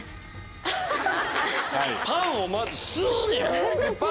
パンをまず吸うんや？